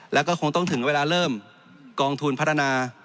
แล้วก็คงต้องถึงเวลาเริ่มกองทุนพัฒนา